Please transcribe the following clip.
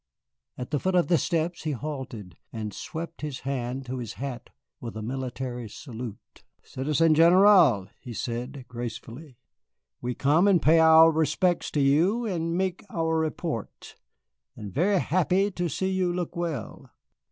At the foot of the steps he halted and swept his hand to his hat with a military salute. "Citizen General," he said gracefully, "we come and pay our respec's to you and mek our report, and ver' happy to see you look well.